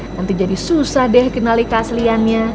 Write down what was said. nanti jadi susah deh kenali keasliannya